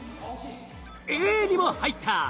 Ａにも入った！